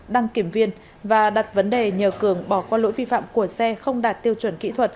đăng kiểm viên và đặt vấn đề nhờ cường bỏ qua lỗi vi phạm của xe không đạt tiêu chuẩn kỹ thuật